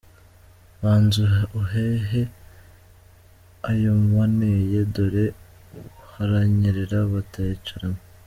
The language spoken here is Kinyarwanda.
Banza uhehe ayo waneye dore haranyerera batayicaramo, .